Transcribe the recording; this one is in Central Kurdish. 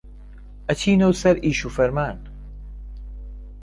ئەچینۆ سەر ئیش و فرمان